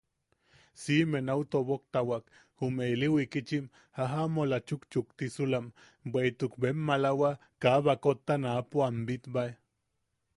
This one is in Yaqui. Siʼime nau toboktawak jume ili wikitchim jajamola chukchuktisulam, bweʼituk bem malawa kaa baakotta naapo am bitbae.